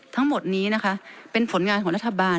ทั้งหมดนี้นะคะเป็นผลงานของรัฐบาล